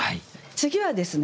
次はですね